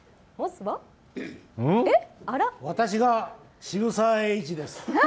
私が渋沢栄一です。